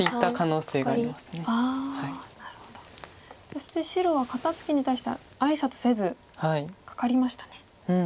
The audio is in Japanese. そして白は肩ツキに対してあいさつせずカカりましたね。